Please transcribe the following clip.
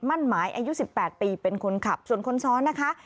มั่นหมายอายุ๑๘ปีเป็นคนขับส่วนคนซ้อนนะคะ